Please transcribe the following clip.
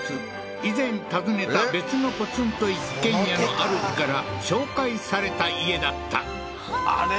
以前訪ねた別のポツンと一軒家のあるじから紹介された家だったはあー！